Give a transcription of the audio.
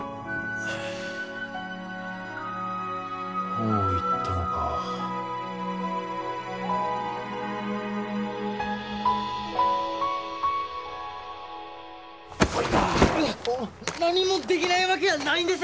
もう行ったのか何もできないわけやないんです